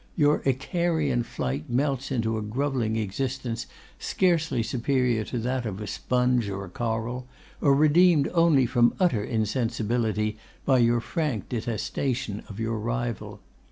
Your Icarian flight melts into a grovelling existence, scarcely superior to that of a sponge or a coral, or redeemed only from utter insensibility by your frank detestation of your rival.